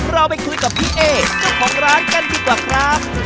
เราไปคุยกับพี่เอ๊เจ้าของร้านกันดีกว่าครับ